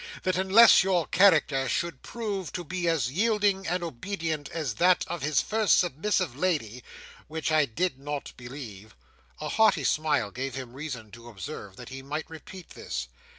—that unless your character should prove to be as yielding and obedient as that of his first submissive lady, which I did not believe—" A haughty smile gave him reason to observe that he might repeat this.